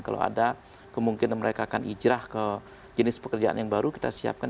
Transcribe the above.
kalau ada kemungkinan mereka akan hijrah ke jenis pekerjaan yang baru kita siapkan